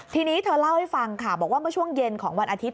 ทีนี้เธอเล่าให้ฟังค่ะบอกว่าเมื่อช่วงเย็นของวันอาทิตย